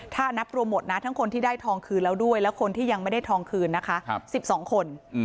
ถ้านับรวมหมดนะทั้งคนที่ได้ทองคืนแล้วด้วยและคนที่ยังไม่ได้ทองคืนนะคะ๑๒คน